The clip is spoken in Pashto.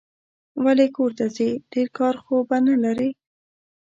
ولي کورته ځې ؟ ډېر کار خو به نه لرې